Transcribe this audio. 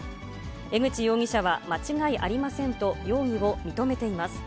江口容疑者は間違いありませんと容疑を認めています。